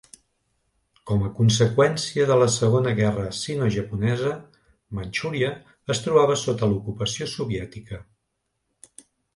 Com a conseqüència de la Segona Guerra Sinojaponesa, Manchuria es trobava sota l"ocupació soviètica.